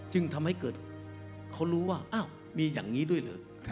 จึงทำให้เขารู้ว่ามีอย่างนี้ด้วยเลย